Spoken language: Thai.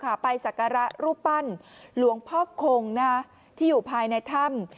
คำไปศักรระรูปป้านลงพ่อคงนะที่อยู่ภายในทำ